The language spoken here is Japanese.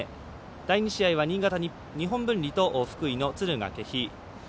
第２試合は日本文理と福井の敦賀気比。